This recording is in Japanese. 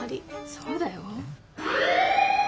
そうだよ。